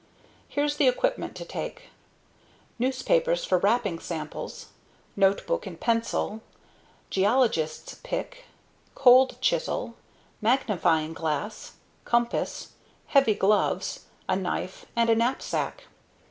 Here's the equipment to take: newspapers for wrapping samples, notebook and pencil, geologist's pick, cold chisel, magnifying glass, compass, heavy gloves, a knife, and a knapsack.